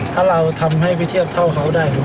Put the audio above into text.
ถ้าเราทำให้พิเทียบเท่าเขาได้ก็โอเคเลย